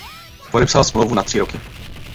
Podepsal smlouvu na tři roky.